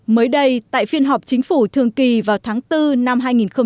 mới đây tại phiên họp chính phủ thường kỳ vào tháng bốn năm hai nghìn một mươi tám